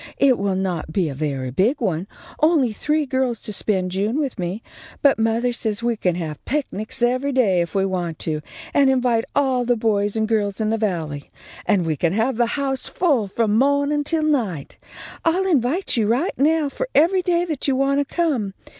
It will not be a very big one, only three girls to spend June with me, but mothah says we can have picnics every day if we want to, and invite all the boys and girls in the Valley, and we can have the house full from mawnin' till night. I'll invite you right now for every day that you want to come.